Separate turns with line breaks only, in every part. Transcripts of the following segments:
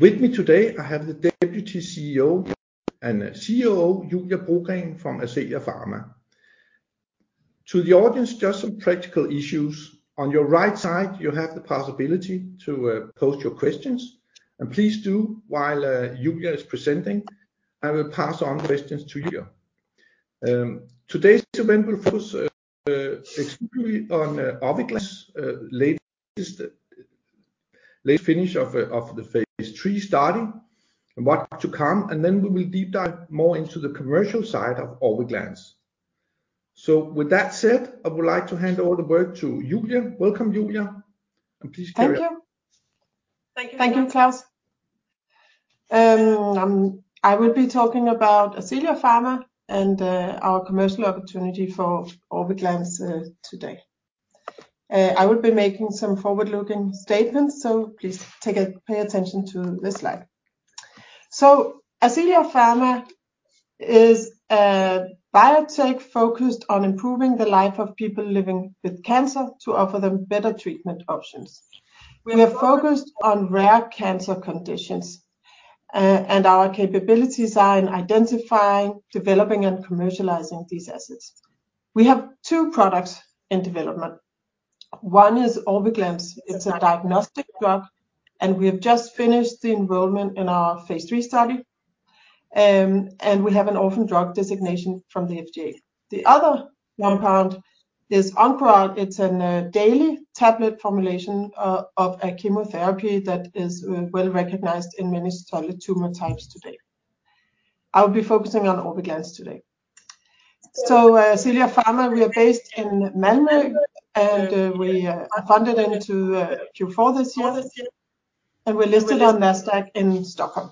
With me today, I have the Deputy CEO and COO, Julie Brogren from Ascelia Pharma. To the audience, just some practical issues. On your right side, you have the possibility to post your questions. Please do while Julie is presenting. I will pass on questions to Julie. Today's event will focus exclusively on Orviglance, late finish of the phase III study and what to come. We will deep dive more into the commercial side of Orviglance. With that said, I would like to hand over the work to Julie. Welcome, Julie. Please carry on.
Thank you.
Thank you.
Thank you, Claus. I will be talking about Ascelia Pharma and our commercial opportunity for Orviglance today. I will be making some forward-looking statements, so please pay attention to this slide. Ascelia Pharma is a biotech focused on improving the life of people living with cancer to offer them better treatment options. We are focused on rare cancer conditions. Our capabilities are in identifying, developing, and commercializing these assets. We have two products in development. One is Orviglance. It's a diagnostic drug, and we have just finished the enrollment in our phase III study. We have an Orphan Drug Designation from the FDA. The other compound is Oncoral, it's a daily tablet formulation of a chemotherapy that is well-recognized in many solid tumor types today. I'll be focusing on Orviglance today. Ascelia Pharma, we are based in Malmö, we funded into Q4 this year, and we're listed on Nasdaq in Stockholm.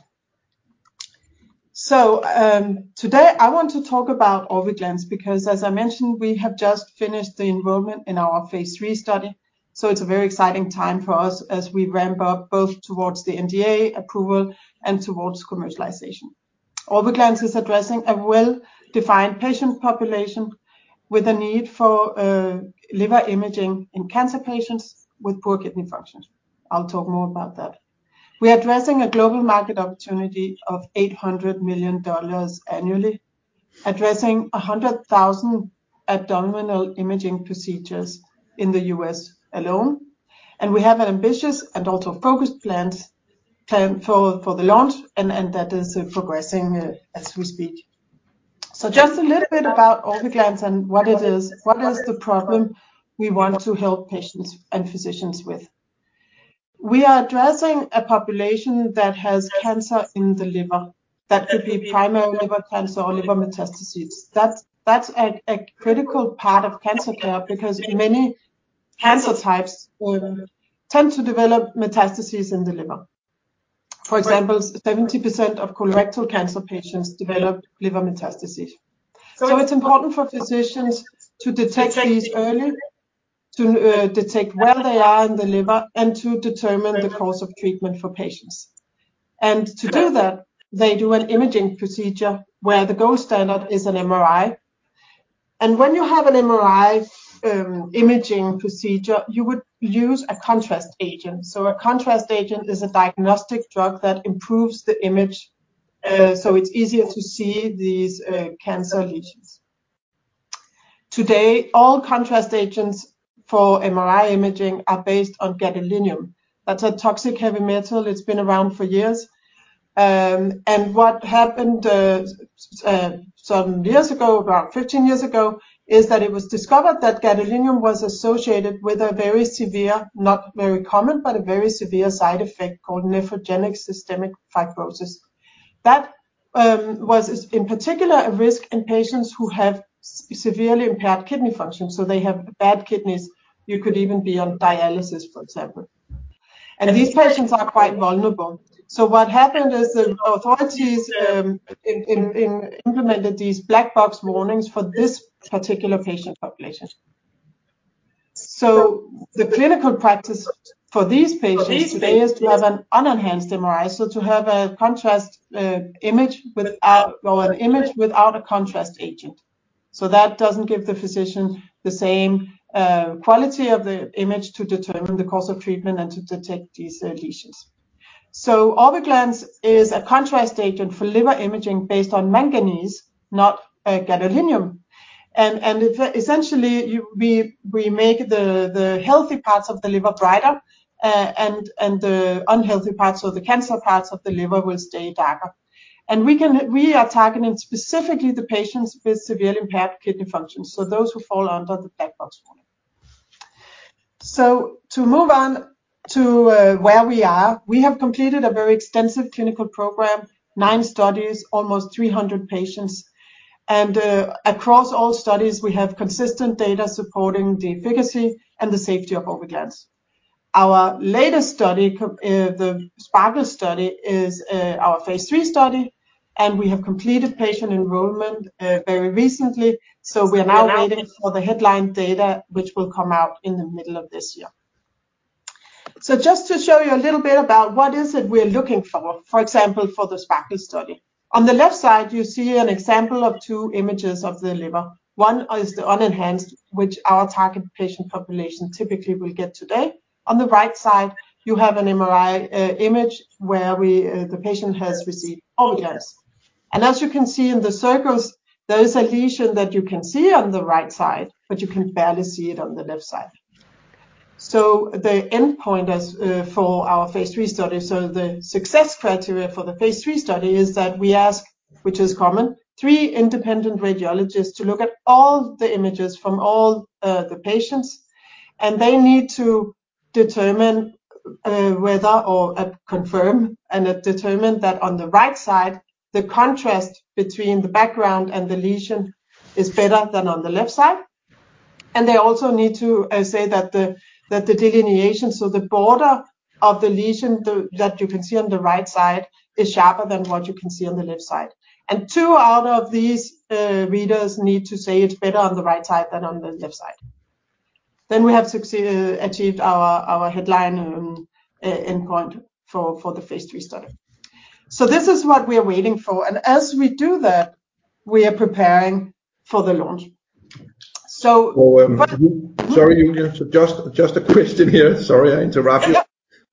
Today I want to talk about Orviglance because, as I mentioned, we have just finished the enrollment in our phase III study, so it's a very exciting time for us as we ramp up both towards the NDA approval and towards commercialization. Orviglance is addressing a well-defined patient population with a need for liver imaging in cancer patients with poor kidney functions. I'll talk more about that. We're addressing a global market opportunity of $800 million annually, addressing 100,000 abdominal imaging procedures in the U.S. alone. We have an ambitious and also focused plan for the launch that is progressing as we speak. Just a little bit about Orviglance and what it is. What is the problem we want to help patients and physicians with? We are addressing a population that has cancer in the liver. That could be primary liver cancer or liver metastases. That's a critical part of cancer care because many cancer types tend to develop metastases in the liver. For example, 70% of colorectal cancer patients develop liver metastases. It's important for physicians to detect these early, to detect where they are in the liver, and to determine the course of treatment for patients. To do that, they do an imaging procedure where the gold standard is an MRI. When you have an MRI imaging procedure, you would use a contrast agent. A contrast agent is a diagnostic drug that improves the image, so it's easier to see these cancer lesions. Today, all contrast agents for MRI imaging are based on gadolinium. That's a toxic heavy metal. It's been around for years. What happened some years ago, about 15 years ago, is that it was discovered that gadolinium was associated with a very severe, not very common, but a very severe side effect called nephrogenic systemic fibrosis. That was in particular a risk in patients who have severely impaired kidney function, so they have bad kidneys. You could even be on dialysis, for example. These patients are quite vulnerable. What happened is the authorities, implemented these black box warnings for this particular patient population. The clinical practice for these patients today is to have an unenhanced MRI, to have an image without a contrast agent. That doesn't give the physician the same quality of the image to determine the course of treatment and to detect these lesions. Orviglance is a contrast agent for liver imaging based on manganese, not gadolinium. Essentially, we make the healthy parts of the liver brighter, and the unhealthy parts or the cancer parts of the liver will stay darker. We are targeting specifically the patients with severe impaired kidney function, so those who fall under the black box warning. To move on to where we are, we have completed a very extensive clinical program, nine studies, almost 300 patients. Across all studies, we have consistent data supporting the efficacy and the safety of Orviglance. Our latest study, the SPARKLE study, is our phase III study, and we have completed patient enrollment very recently. We are now waiting for the headline data, which will come out in the middle of this year. Just to show you a little bit about what is it we're looking for example, for the SPARKLE study. On the left side, you see an example of two images of the liver. One is the unenhanced, which our target patient population typically will get today. On the right side, you have an MRI image where we, the patient has received Orviglance. As you can see in the circles, there is a lesion that you can see on the right side, but you can barely see it on the left side. The endpoint as for our phase III study, the success criteria for the phase III study is that we ask, which is common, three independent radiologists to look at all the images from all the patients, and they need to determine whether or confirm and determine that on the right side, the contrast between the background and the lesion is better than on the left side. They also need to say that the delineation, so the border of the lesion that you can see on the right side is sharper than what you can see on the left side. Two out of these readers need to say it's better on the right side than on the left side. We have achieved our headline endpoint for the Phase III study. This is what we are waiting for. As we do that, we are preparing for the launch.
Well, sorry, Julie. Just a question here. Sorry, I interrupt you.
Yeah.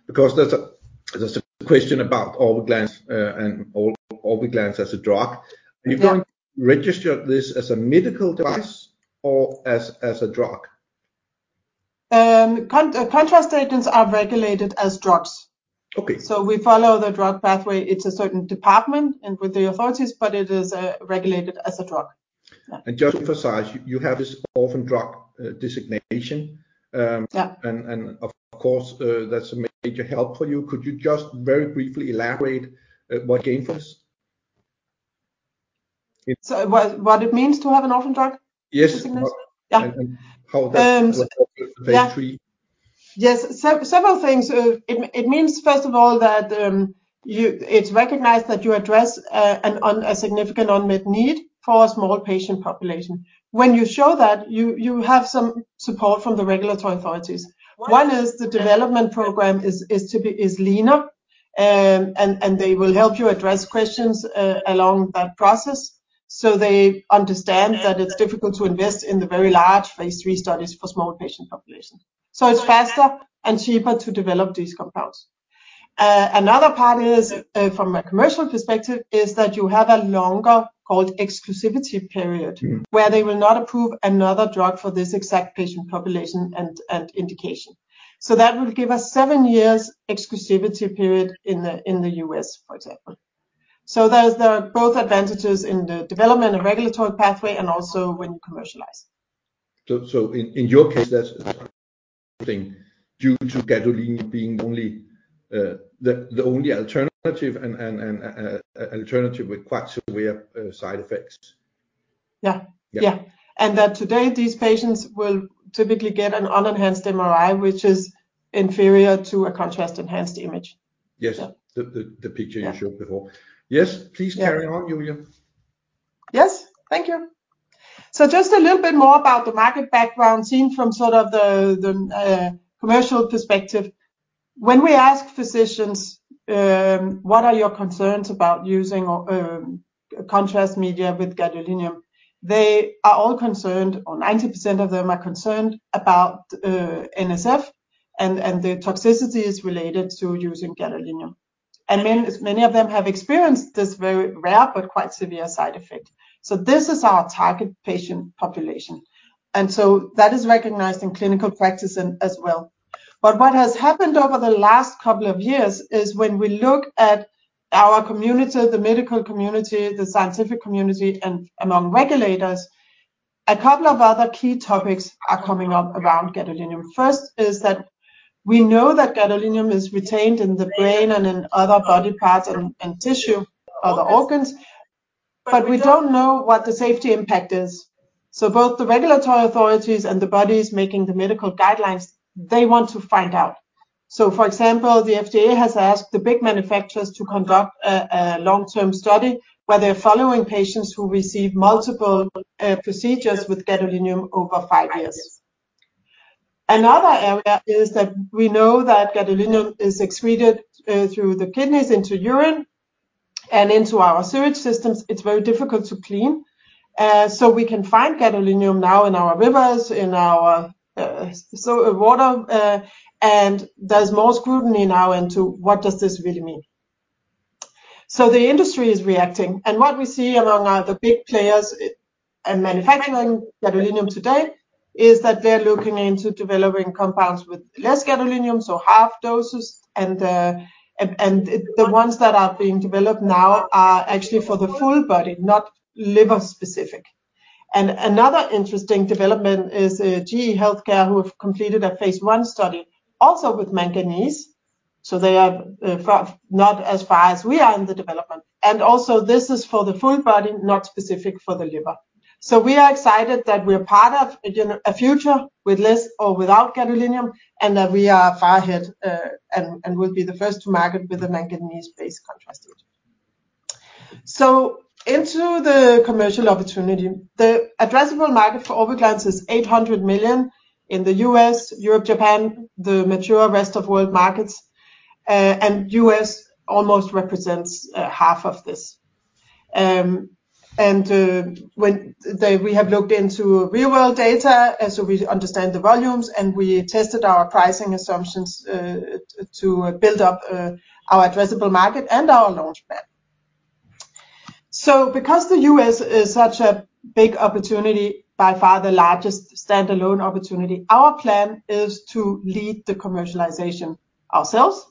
There's a question about Orviglance and Orviglance as a drug.
Yeah.
Are you going to register this as a medical device or as a drug?
Contrast agents are regulated as drugs.
Okay.
We follow the drug pathway. It's a certain department and with the authorities, but it is regulated as a drug. Yeah.
just to emphasize, you have this Orphan Drug Designation.
Yeah.
Of course, that's a major help for you. Could you just very briefly elaborate, what gain for us?
What it means to have an Orphan Drug.
Yes.
Designation? Yeah.
how that helps with the phase III.
Yeah. Yes. Several things. It means, first of all, that it's recognized that you address a significant unmet need for a small patient population. When you show that, you have some support from the regulatory authorities. One is the development program is to be leaner. They will help you address questions along that process. They understand that it's difficult to invest in the very large phase III studies for small patient population. It's faster and cheaper to develop these compounds. Another part is, from a commercial perspective, is that you have a longer called exclusivity period.
Mm.
where they will not approve another drug for this exact patient population and indication. That will give us seven years exclusivity period in the U.S., for example. There's the both advantages in the development and regulatory pathway and also when you commercialize.
In your case that's, I think, due to gadolinium being only, the only alternative and, alternative with quite severe, side effects.
Yeah.
Yeah.
Yeah. That today, these patients will typically get an unenhanced MRI, which is inferior to a contrast-enhanced image.
Yes.
Yeah.
The picture you showed before.
Yeah.
Yes. Please carry on, Julie.
Yeah. Yes. Thank you. Just a little bit more about the market background seen from sort of the commercial perspective. When we ask physicians, "What are your concerns about using contrast media with gadolinium?" They are all concerned, or 90% of them are concerned about NSF and the toxicities related to using gadolinium. Many of them have experienced this very rare but quite severe side effect. This is our target patient population, that is recognized in clinical practice as well. What has happened over the last couple of years is when we look at our community, the medical community, the scientific community, and among regulators, a couple of other key topics are coming up around gadolinium. First is that we know that gadolinium is retained in the brain and in other body parts and tissue of the organs, but we don't know what the safety impact is. Both the regulatory authorities and the bodies making the medical guidelines, they want to find out. For example, the FDA has asked the big manufacturers to conduct a long-term study where they're following patients who receive multiple procedures with gadolinium over five years. Another area is that we know that gadolinium is excreted through the kidneys into urine and into our sewage systems. It's very difficult to clean. We can find gadolinium now in our rivers, in our water. There's more scrutiny now into what does this really mean. The industry is reacting, and what we see among the big players in manufacturing gadolinium today is that they're looking into developing compounds with less gadolinium, so half doses. The ones that are being developed now are actually for the full body, not liver specific. Another interesting development is GE HealthCare, who have completed a phase I study also with manganese. They are not as far as we are in the development. Also this is for the full body, not specific for the liver. We are excited that we are part of a future with less or without gadolinium, and that we are far ahead and will be the first to market with a manganese-based contrast agent. Into the commercial opportunity. The addressable market for Orviglance is $800 million in the U.S., Europe, Japan, the mature rest of world markets. U.S. almost represents half of this. We have looked into real world data, we understand the volumes, and we tested our pricing assumptions to build up our addressable market and our launch plan. Because the US is such a big opportunity, by far the largest standalone opportunity, our plan is to lead the commercialization ourselves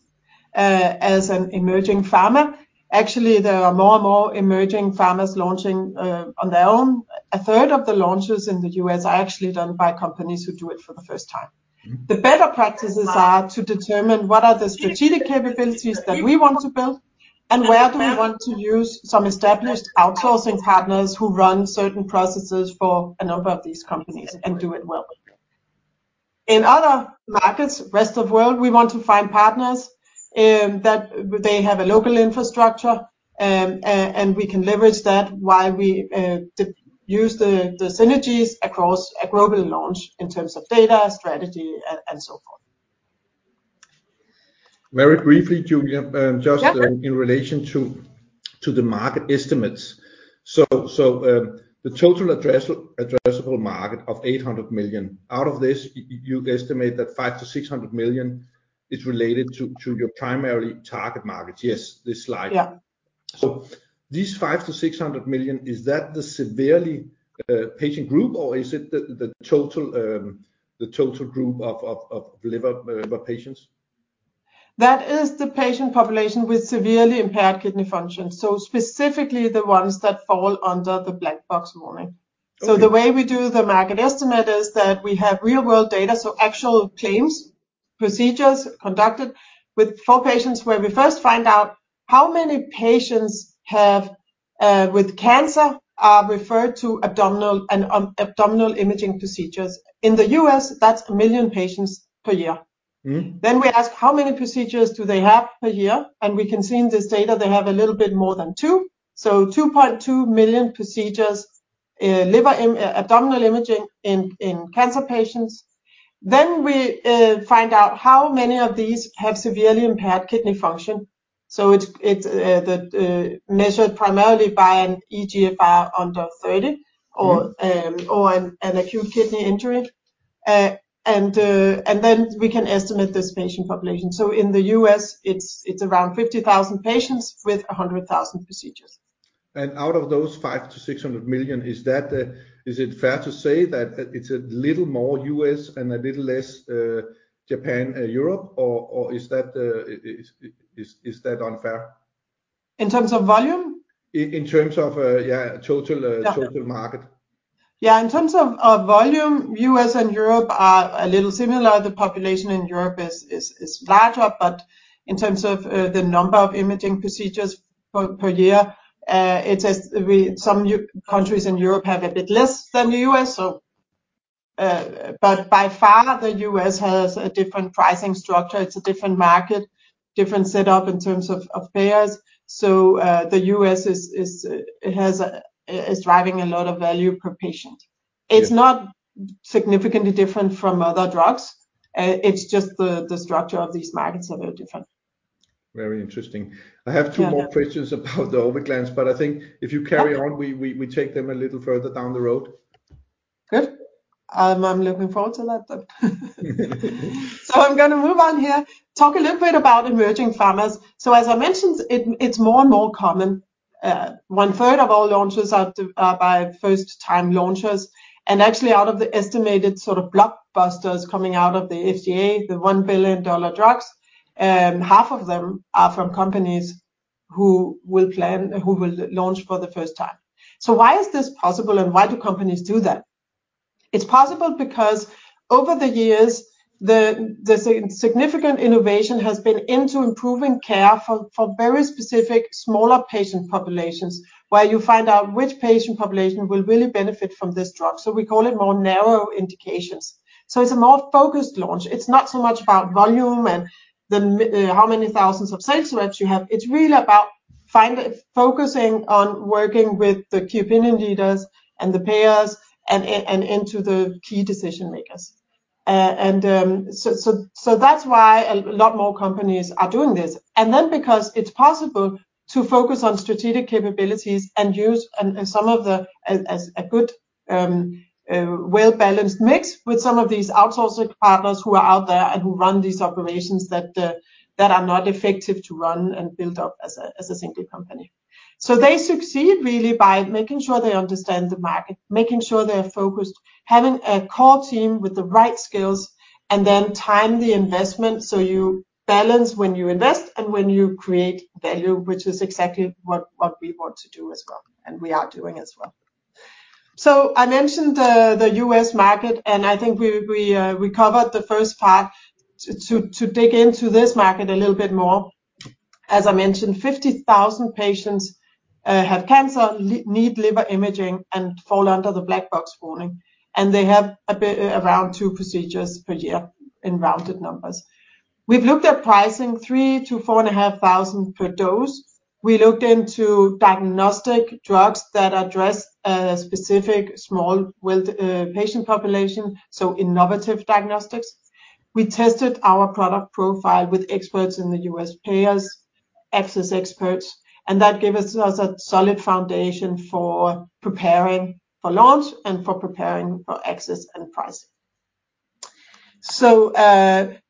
as an emerging pharma. Actually, there are more and more emerging pharmas launching on their own. A third of the launches in the U.S. are actually done by companies who do it for the first time.
Mm-hmm.
The better practices are to determine what are the strategic capabilities that we want to build, and where do we want to use some established outsourcing partners who run certain processes for a number of these companies and do it well. In other markets, rest of world, we want to find partners that they have a local infrastructure, and we can leverage that while we use the synergies across a global launch in terms of data, strategy, and so forth.
Very briefly, Julie,
Yeah.
In relation to the market estimates. The total addressable market of $800 million, out of this, you estimate that $500 million-$600 million is related to your primary target markets. Yes, this slide.
Yeah.
These $500 million-$600 million, is that the severely patient group or is it the total group of liver patients?
That is the patient population with severely impaired kidney function, so specifically the ones that fall under the black box warning.
Okay.
The way we do the market estimate is that we have real world data, so actual claims, procedures conducted with four patients where we first find out how many patients have with cancer are referred to abdominal and abdominal imaging procedures. In the U.S., that's a million patients per year.
Mm-hmm.
We ask how many procedures do they have per year, and we can see in this data they have a little bit more than two. 2.2 million procedures, abdominal imaging in cancer patients. We find out how many of these have severely impaired kidney function, it's the measured primarily by an eGFR under 30 or an acute kidney injury. We can estimate this patient population. In the U.S. it's around 50,000 patients with 100,000 procedures.
Out of those $500 million-$600 million, is that, is it fair to say that it's a little more U.S. and a little less Japan and Europe or is that unfair?
In terms of volume?
In terms of, yeah, total.
Yeah.
total market.
Yeah. In terms of volume, U.S. and Europe are a little similar. The population in Europe is larger, but in terms of the number of imaging procedures per year, some countries in Europe have a bit less than the U.S. By far the U.S. has a different pricing structure, it's a different market, different setup in terms of payers. The U.S. is driving a lot of value per patient.
Yeah.
It's not significantly different from other drugs. It's just the structure of these markets are a bit different.
Very interesting.
Yeah.
I have two more questions about the Orviglance, but I think if you carry on...
Yeah.
we take them a little further down the road.
Good. I'm looking forward to that then. I'm gonna move on here, talk a little bit about emerging pharmas. As I mentioned, it's more and more common. One third of all launches are by first time launchers. Actually out of the estimated sort of blockbusters coming out of the FDA, the $1 billion drugs, half of them are from companies who will launch for the first time. Why is this possible and why do companies do that? It's possible because over the years the significant innovation has been into improving care for very specific smaller patient populations, where you find out which patient population will really benefit from this drug. We call it more narrow indications. It's a more focused launch. It's not so much about volume and the how many thousands of sales reps you have. It's really about focusing on working with the key opinion leaders and the payers and into the key decision makers. That's why a lot more companies are doing this. Because it's possible to focus on strategic capabilities and use and some of the... as a good well-balanced mix with some of these outsourcing partners who are out there and who run these operations that are not effective to run and build up as a single company. They succeed really by making sure they understand the market, making sure they're focused, having a core team with the right skills, and then time the investment so you balance when you invest and when you create value, which is exactly what we want to do as well, and we are doing as well. I mentioned the U.S. market, and I think we covered the first part. To dig into this market a little bit more, as I mentioned, 50,000 patients need liver imaging and fall under the black box warning, and they have around two procedures per year in rounded numbers. We've looked at pricing $3,000 to $4,500 per dose. We looked into diagnostic drugs that address a specific small, well, patient population, so innovative diagnostics. We tested our product profile with experts in the U.S. payers-Access experts, and that gave us a solid foundation for preparing for launch and for preparing for access and price.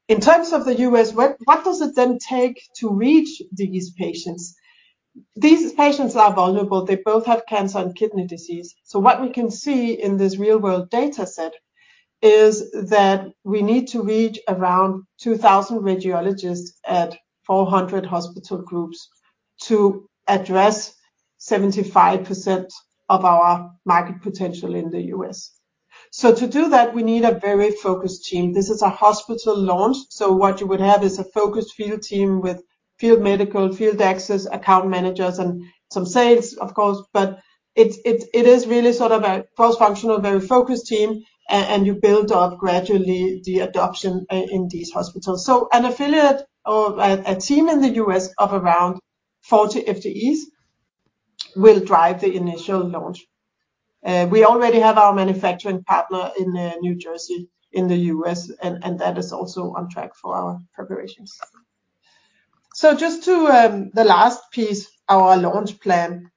In terms of the U.S., what does it then take to reach these patients? These patients are vulnerable. They both have cancer and kidney disease. What we can see in this real world data set is that we need to reach around 2,000 radiologists at 400 hospital groups to address 75% of our market potential in the U.S. To do that, we need a very focused team. This is a hospital launch, so what you would have is a focused field team with field medical, field access, account managers, and some sales, of course. It is really sort of a cross-functional, very focused team, and you build up gradually the adoption in these hospitals. An affiliate or a team in the U.S. of around 40 FTEs will drive the initial launch. We already have our manufacturing partner in New Jersey in the U.S. and that is also on track for our preparations. Just to, the last piece, our launch plan.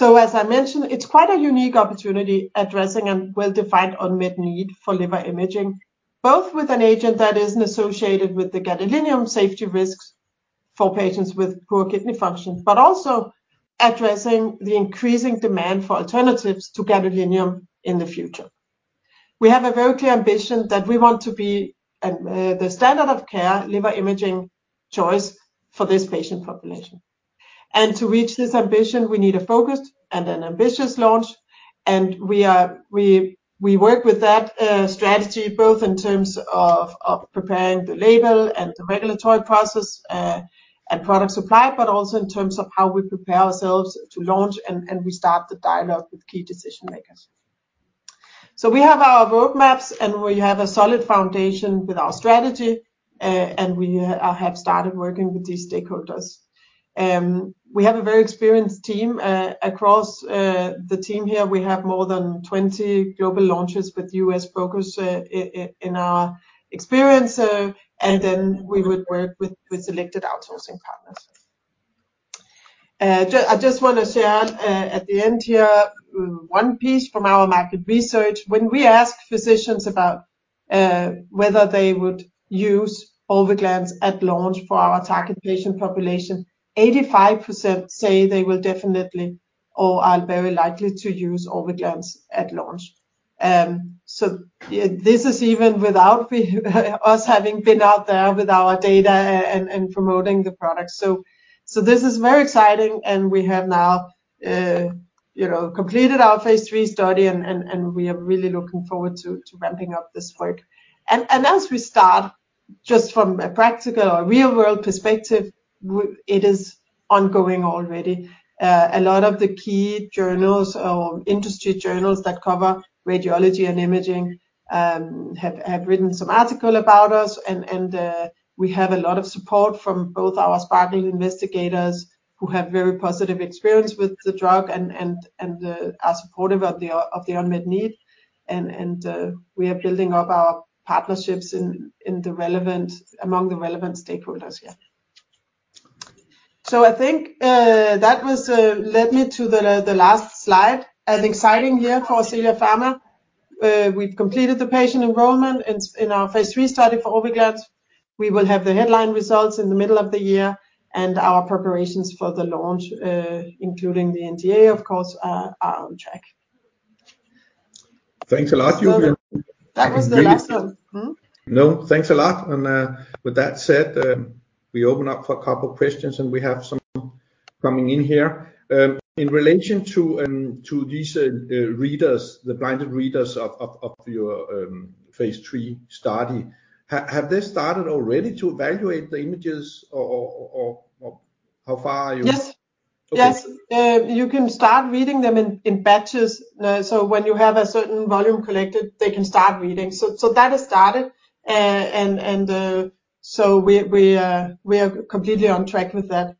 As I mentioned, it's quite a unique opportunity addressing a well-defined unmet need for liver imaging, both with an agent that isn't associated with the gadolinium safety risks for patients with poor kidney function, but also addressing the increasing demand for alternatives to gadolinium in the future. We have a very clear ambition that we want to be the standard of care liver imaging choice for this patient population. To reach this ambition, we need a focused and an ambitious launch, and we work with that strategy both in terms of preparing the label and the regulatory process and product supply, but also in terms of how we prepare ourselves to launch and we start the dialogue with key decision makers. We have our roadmaps, and we have a solid foundation with our strategy. We have started working with these stakeholders. We have a very experienced team. Across the team here, we have more than 20 global launches with U.S. focus in our experience, and then we would work with selected outsourcing partners. I just wanna share at the end here, one piece from our market research. When we ask physicians about whether they would use Orviglance at launch for our target patient population, 85% say they will definitely or are very likely to use Orviglance at launch. This is even without us having been out there with our data and promoting the product. This is very exciting, we have now, you know, completed our phase III study and we are really looking forward to ramping up this work. As we start, just from a practical or real world perspective, it is ongoing already. A lot of the key journals or industry journals that cover radiology and imaging have written some article about us and we have a lot of support from both our SPARKLE investigators who have very positive experience with the drug and are supportive of the unmet need. We are building up our partnerships in among the relevant stakeholders. I think that led me to the last slide. An exciting year for Ascelia Pharma. We've completed the patient enrollment in our phase III study for Orviglance. We will have the headline results in the middle of the year, and our preparations for the launch, including the NDA, of course, are on track.
Thanks a lot.
That was the last one. Mm-hmm.
No. Thanks a lot. With that said, we open up for a couple questions, and we have some coming in here. In relation to these readers, the blinded readers of your phase III study, have they started already to evaluate the images or how far are you?
Yes.
Okay.
Yes. You can start reading them in batches. When you have a certain volume collected, they can start reading. That has started. We are completely on track with that.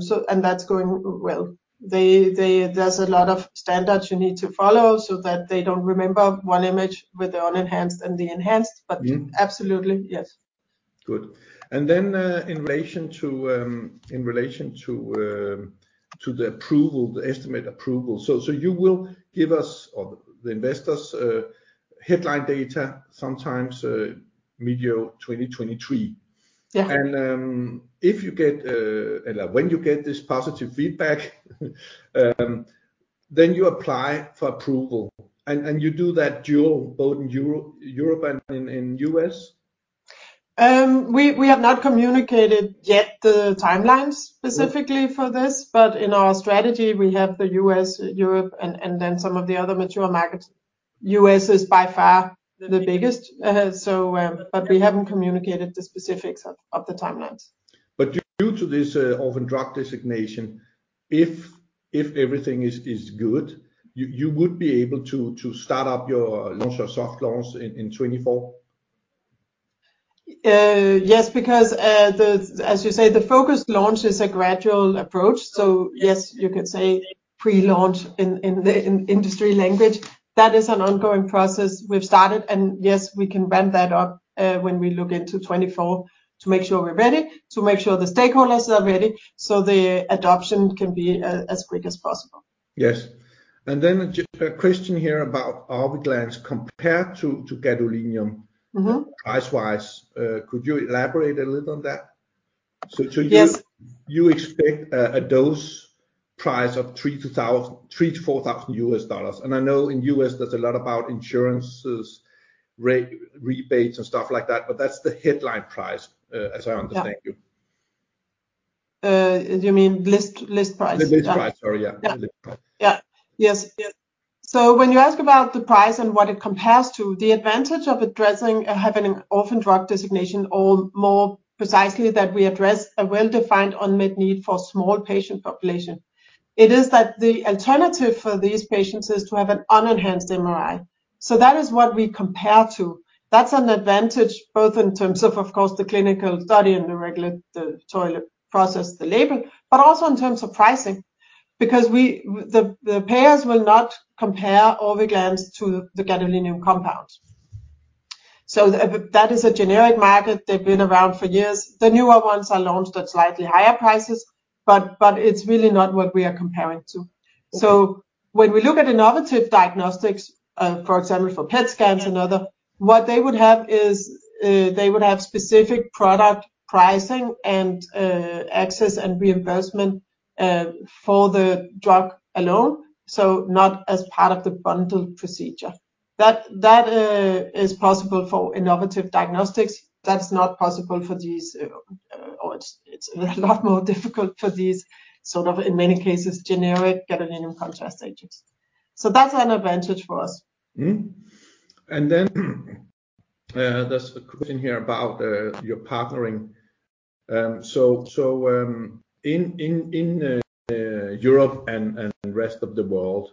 So... That's going well. There's a lot of standards you need to follow so that they don't remember one image with the unenhanced and the enhanced.
Mm-hmm.
Absolutely, yes.
Good. Then, in relation to the approval, the estimate approval. So you will give us or the investors, headline data sometimes mid-year 2023.
Yeah.
If you get Ella, when you get this positive feedback, then you apply for approval, and you do that dual, both in Europe and in U.S.?
We have not communicated yet the timelines specifically for this. In our strategy we have the U.S., Europe, and then some of the other mature markets. U.S. is by far the biggest, so, but we haven't communicated the specifics of the timelines.
due to this, Orphan Drug Designation, if everything is good, you would be able to launch your soft launch in 2024?
Yes, because as you say, the focused launch is a gradual approach. Yes, you could say pre-launch in the, in industry language. That is an ongoing process we've started. Yes, we can ramp that up, when we look into 2024 to make sure we're ready, to make sure the stakeholders are ready, so the adoption can be as quick as possible.
Yes. A question here about Orviglance compared to gadolinium?
Mm-hmm.
price-wise. Could you elaborate a little on that?
Yes.
You expect a dose price of $3,000-$4,000. I know in U.S. there's a lot about insurances, rebates, and stuff like that, but that's the headline price, as I understand you.
Yeah. you mean list price?
List price. Sorry, yeah.
Yeah.
List price.
When you ask about the price and what it compares to, the advantage of addressing having an Orphan Drug Designation, or more precisely, that we address a well-defined unmet need for small patient population. It is that the alternative for these patients is to have an unenhanced MRI. That is what we compare to. That's an advantage both in terms of course, the clinical study and the regulatory process, the label, but also in terms of pricing because the payers will not compare Orviglance to the gadolinium compound. That is a generic market. They've been around for years. The newer ones are launched at slightly higher prices, but it's really not what we are comparing to. Mm. When we look at innovative diagnostics, for example, for PET scans and other, what they would have is, they would have specific product pricing and access and reimbursement for the drug alone, so not as part of the bundled procedure. That, that is possible for innovative diagnostics. That's not possible for these, or it's a lot more difficult for these sort of, in many cases, generic gadolinium contrast agents. That's an advantage for us.
There's a question here about your partnering. In Europe and rest of the world,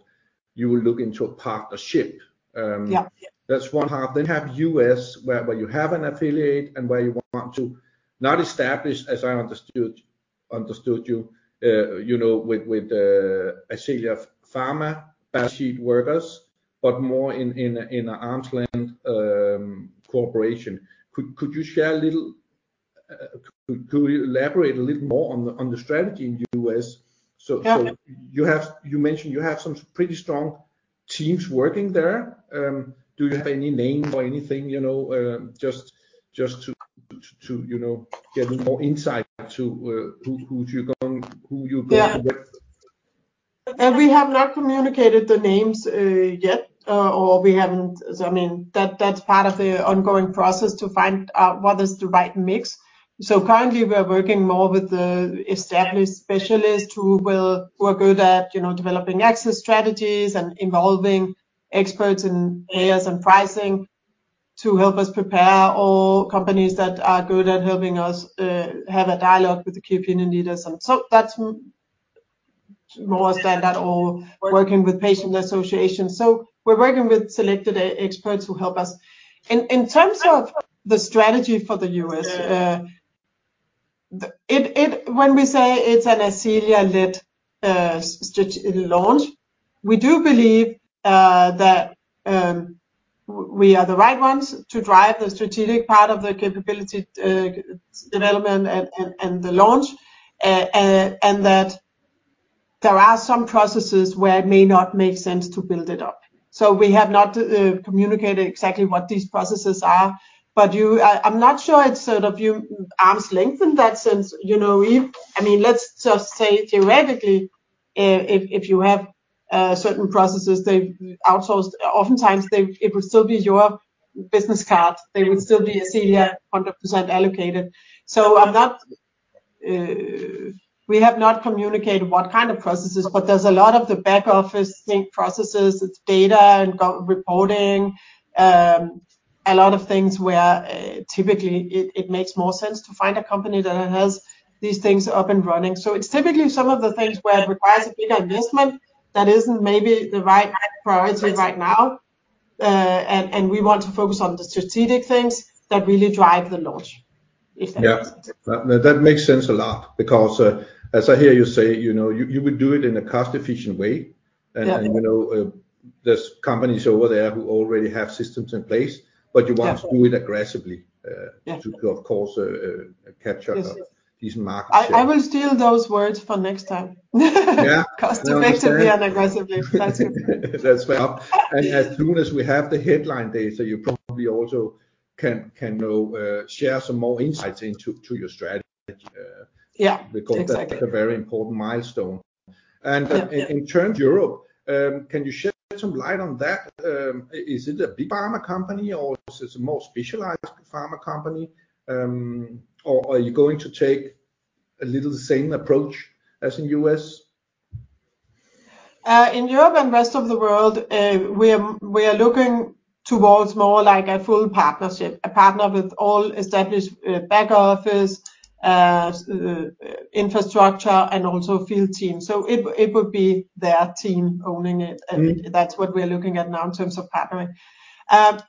you will look into a partnership.
Yeah.
That's one half. You have U.S. where you have an affiliate and where you want to not establish, as I understood you know, with Ascelia Pharma sheet workers, but more in an arm's length cooperation. Could you elaborate a little more on the strategy in U.S.?
Yeah.
You mentioned you have some pretty strong teams working there. Do you have any name or anything, you know, just to, you know, get more insight to who you're going to work with?
Yeah. We have not communicated the names yet. I mean, that's part of the ongoing process to find out what is the right mix. Currently we are working more with the established specialists who are good at, you know, developing access strategies and involving experts in areas and pricing to help us prepare, or companies that are good at helping us have a dialogue with the key opinion leaders. That's more than that or working with patient associations. We're working with selected e-experts who help us. In terms of the strategy for the U.S., it -- when we say it's an Ascelia-led strategic launch, we do believe that we are the right ones to drive the strategic part of the capability development and the launch, and that there are some processes where it may not make sense to build it up. We have not communicated exactly what these processes are, but you... I'm not sure it's sort of you -- arm's length in that sense, you know. If... I mean, let's just say theoretically, if you have certain processes that you've outsourced, oftentimes it would still be your business card. They would still be Ascelia 100% allocated. I'm not... We have not communicated what kind of processes, but there's a lot of the back office, think, processes. It's data and reporting. A lot of things where typically it makes more sense to find a company that has these things up and running. It's typically some of the things where it requires a bigger investment that isn't maybe the right priority right now. We want to focus on the strategic things that really drive the launch, if that makes sense.
Yeah. That makes sense a lot because, as I hear you say, you know, you would do it in a cost-efficient way.
Yeah.
You know, there's companies over there who already have systems in place.
Yeah.
you want to do it aggressively-
Yeah.
to, of course, capture-
Yes.
These market shares.
I will steal those words for next time.
Yeah. No, it's fair.
Cost effectively and aggressively. That's it.
That's fair. As soon as we have the headline data, you probably also can know, share some more insights into, to your strategy.
Yeah, exactly.
That's a very important milestone.
Yeah.
In terms Europe, can you shed some light on that? Is it a big pharma company or is this a more specialized pharma company? Or are you going to take a little same approach as in US?
In Europe and rest of the world, we are looking towards more like a full partnership, a partner with all established, back office, infrastructure and also field team. It would be their team owning it.
Mm.
That's what we're looking at now in terms of partnering.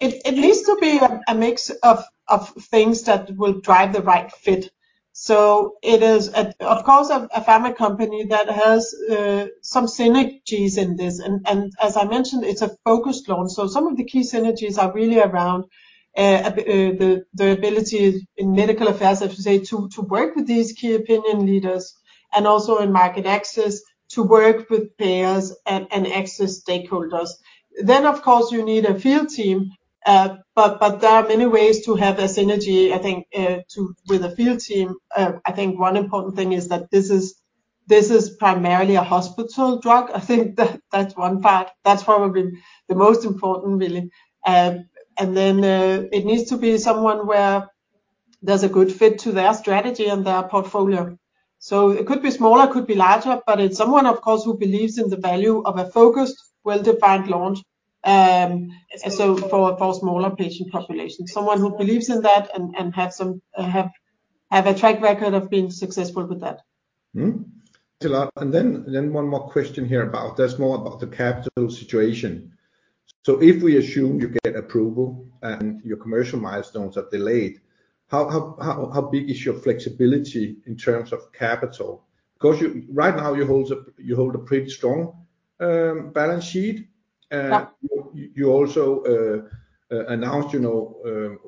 It needs to be a mix of things that will drive the right fit. It is, of course, a pharma company that has some synergies in this. As I mentioned, it's a focused launch, so some of the key synergies are really around the ability in medical affairs, I have to say, to work with these key opinion leaders and also in market access to work with payers and access stakeholders. Of course you need a field team. There are many ways to have a synergy, I think, with a field team. I think one important thing is that this is primarily a hospital drug. I think that's one part. That's probably the most important, really. It needs to be someone where there's a good fit to their strategy and their portfolio. It could be smaller, it could be larger, but it's someone, of course, who believes in the value of a focused, well-defined launch. For smaller patient populations, someone who believes in that and have a track record of being successful with that.
Mm-hmm. Then one more question here that's more about the capital situation. If we assume you get approval and your commercial milestones are delayed, how big is your flexibility in terms of capital? Because right now you hold a pretty strong balance sheet.
Yeah.
You also announced, you know,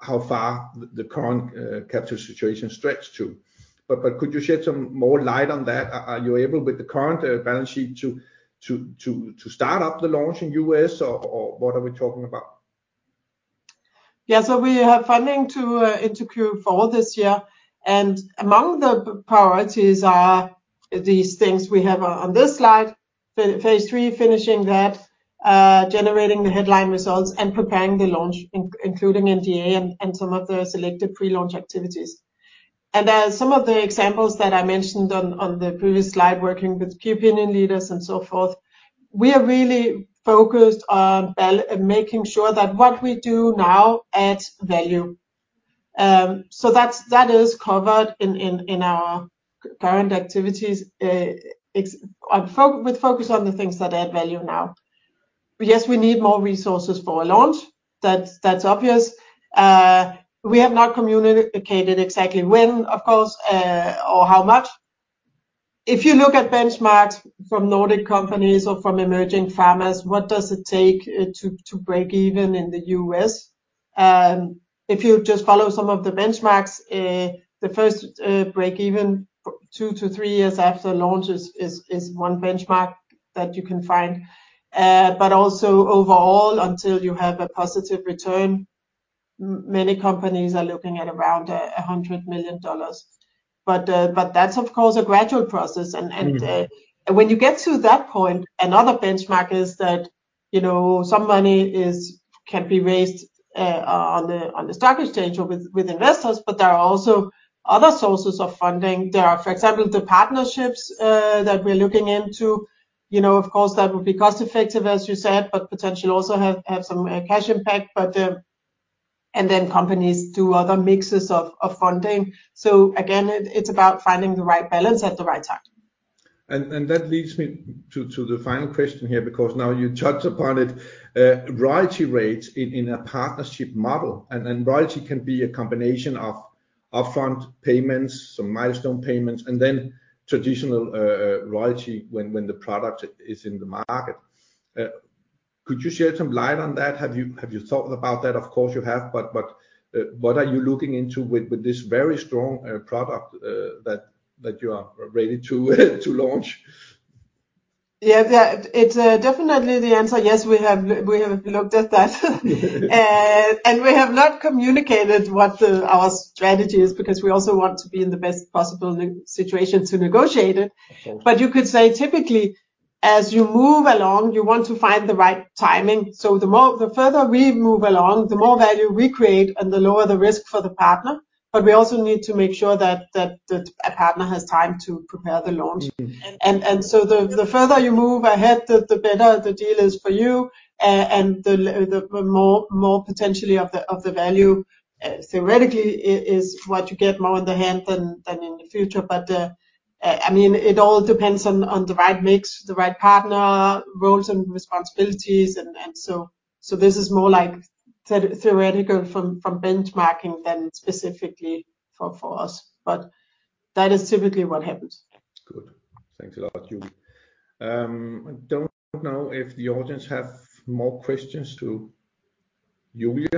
how far the current capital situation stretched to. Could you shed some more light on that? Are you able with the current balance sheet to start up the launch in US or what are we talking about?
Yeah. We have funding into Q4 this year. Among the priorities are these things we have on this slide. Phase III, finishing that, generating the headline results and preparing the launch, including NDA and some of the selected pre-launch activities. Some of the examples that I mentioned on the previous slide, working with key opinion leaders and so forth, we are really focused on making sure that what we do now adds value. That is covered in our current activities with focus on the things that add value now. Yes, we need more resources for a launch. That's obvious. We have not communicated exactly when, of course, or how much. If you look at benchmarks from Nordic companies or from emerging pharmas, what does it take to break even in the U.S.? If you just follow some of the benchmarks, the first break even two-three years after launch is one benchmark that you can find. Also overall, until you have a positive return, many companies are looking at around $100 million. That's of course a gradual process.
Mm-hmm.
When you get to that point, another benchmark is that, you know, some money can be raised on the stock exchange or with investors, but there are also other sources of funding. There are, for example, the partnerships that we're looking into. You know, of course, that would be cost-effective, as you said, but potentially also have some cash impact. Then companies do other mixes of funding. Again, it's about finding the right balance at the right time.
That leads me to the final question here, because now you touched upon it. Royalty rates in a partnership model, then royalty can be a combination of upfront payments, some milestone payments, and then traditional royalty when the product is in the market. Could you shed some light on that? Have you thought about that? Of course you have, but what are you looking into with this very strong product that you are ready to launch?
Yeah. Yeah. It's... Definitely the answer, yes, we have, we have looked at that. We have not communicated what our strategy is because we also want to be in the best possible situation to negotiate it.
Okay.
you could say typically, as you move along, you want to find the right timing. the further we move along, the more value we create and the lower the risk for the partner. we also need to make sure that a partner has time to prepare the launch.
Mm-hmm.
The further you move ahead, the better the deal is for you. The more potentially of the value, theoretically is what you get more in the hand than in the future. I mean, it all depends on the right mix, the right partner, roles and responsibilities. This is more like theoretical from benchmarking than specifically for us. That is typically what happens.
Good. Thanks a lot, Julie. I don't know if the audience have more questions to Julie.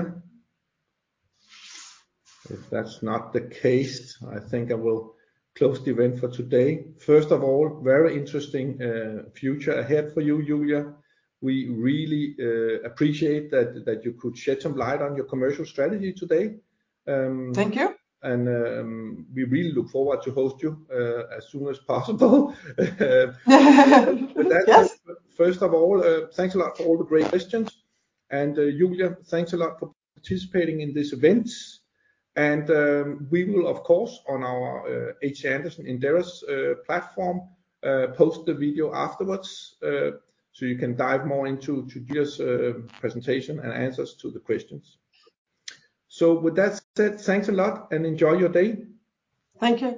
If that's not the case, I think I will close the event for today. First of all, very interesting future ahead for you, Julie. We really appreciate that you could shed some light on your commercial strategy today.
Thank you.
We really look forward to host you, as soon as possible.
Yes.
With that, first of all, thanks a lot for all the great questions. Julie, thanks a lot for participating in this event. We will of course, on our HC Andersen Capital platform, post the video afterwards, so you can dive more into Julie's presentation and answers to the questions. With that said, thanks a lot and enjoy your day.
Thank you.